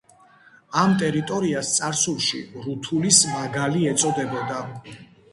ამ ტერიტორიას წარსულში რუთულის მაგალი ეწოდებოდა.